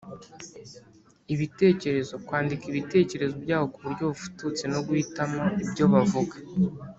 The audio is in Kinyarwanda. ibitekerezo. Kwandika ibitekerezo byabo ku buryo bufututse no guhitamo ibyo bavuga